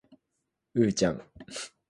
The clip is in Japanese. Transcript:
うーちゃん